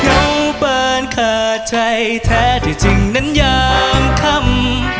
เหงาเปินข้าใจแท้ที่จริงนั้นยามคำ